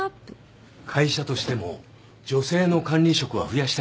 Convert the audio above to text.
会社としても女性の管理職は増やしたいみたいで。